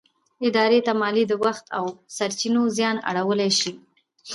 ادارې ته مالي، د وخت او سرچينو زیان اړولی شي.